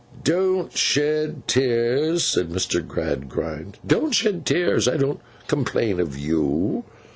'Don't shed tears,' said Mr. Gradgrind. 'Don't shed tears. I don't complain of you.